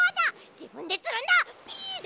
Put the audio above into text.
じぶんでつるんだ！